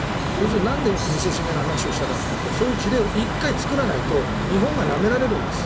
なんで見せしめの話をしたかというとそういう事例を１回でも作らないと日本がなめられるんです。